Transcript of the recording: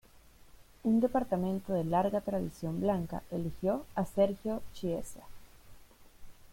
Un departamento de larga tradición blanca, eligió a Sergio Chiesa.